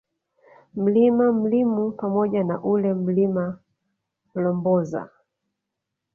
Mlima Mlimu pamoja na ule Mlima Mlomboza